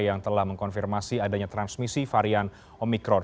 yang telah mengkonfirmasi adanya transmisi varian omikron